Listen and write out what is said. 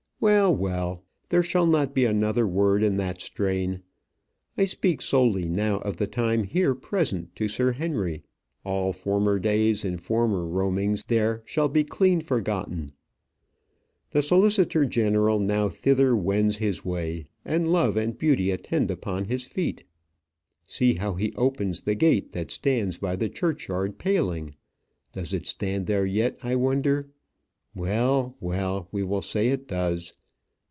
Well, well; there shall not be another word in that strain. I speak solely now of the time here present to Sir Henry; all former days and former roamings there shall be clean forgotten. The solicitor general now thither wends his way, and love and beauty attend upon his feet. See how he opens the gate that stands by the churchyard paling? Does it stand there yet, I wonder? Well, well; we will say it does.